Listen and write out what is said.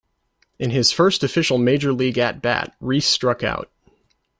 In his first official major league at-bat, Reese struck out.